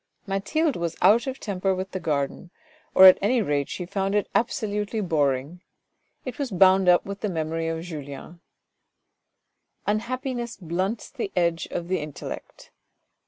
Mathilde was out of temper with the garden, or at any rate she found it absolutely boring : it was bound up with the memory of Julien. Unhappiness blunts the edge of the intellect.